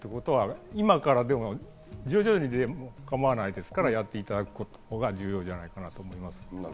今から徐々にで構わないので、やっていただくことが重要じゃないかなと思います。